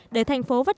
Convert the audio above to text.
để thành phố vất trình